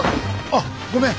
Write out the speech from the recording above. あっごめん。